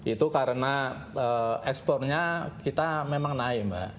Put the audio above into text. itu karena ekspornya kita memang naik mbak